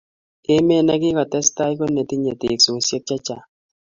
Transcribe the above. Emet ne kikotestai ko netinye teksosiek che chang